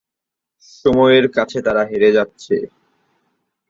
শহরটিতে একটি সঙ্গীত সমাজ, বিস্তৃত গোলাপ বাগান ও নদীর ধারের সুদৃশ্য পার্ক আছে।